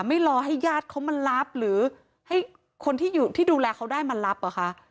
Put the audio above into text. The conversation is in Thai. ไม่รอให้ญาติเขามารับหรือให้คนที่อยู่ที่ดูแลเขาได้มารับเหรอคะ